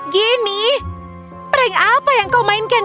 gini prank apa yang kau mainkan